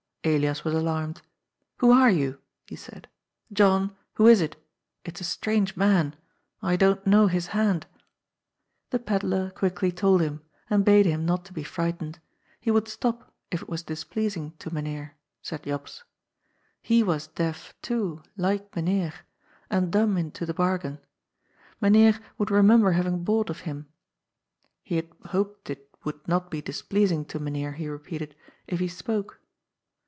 Elias was alarmed. " Who are you ?" he said. ^^ John, who is it? It's a strange man. I don't know his hand." The pedlar quickly told him, and bade him not to be frightened. He would stop if it was displeasing to Myn heer, said Jops. He was deaf, too, like Mynheer, and dumb into the bargain* Mynheer would remember having bought of him. He had hoped it would not be displeasing to Mynheer, he repeated, if he spoke.